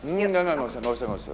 nggak nggak nggak usah nggak usah